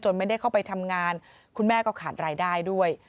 ไม่ได้เข้าไปทำงานคุณแม่ก็ขาดรายได้ด้วย